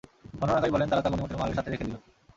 বর্ণনাকারী বলেন, তারা তা গনীমতের মালের সাথে রেখে দিল।